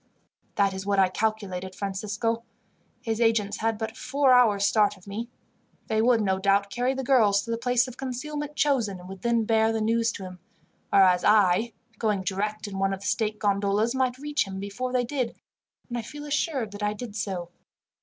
"That is what I calculated, Francisco. His agents had but four hours' start of me. They would, no doubt, carry the girls to the place of concealment chosen, and would then bear the news to him; whereas I, going direct in one of the state gondolas, might reach him before they did, and I feel assured that I did so.